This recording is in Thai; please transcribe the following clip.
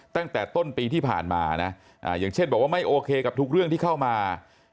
ตั้งแต่ต้นปีที่ผ่านมานะอย่างเช่นบอกว่าไม่โอเคกับทุกเรื่องที่เข้ามา